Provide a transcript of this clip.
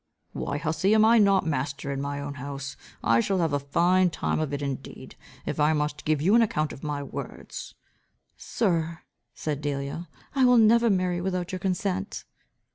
"Why, hussey, am I not master in my own house? I shall have a fine time of it indeed, if I must give you an account of my words." "Sir," said Delia, "I will never marry without your consent."